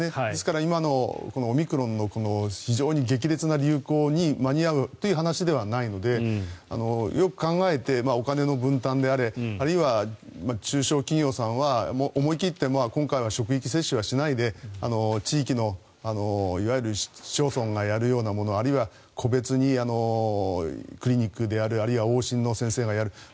ですから、今のオミクロンの非常に激烈な流行に間に合うという話ではないのでよく考えてお金の分担であれあるいは中小企業さんは思い切って今回は職域接種はしないで地域のいわゆる市町村がやるようなものあるいは個別にクリニックでやるあるいは往診の先生がやる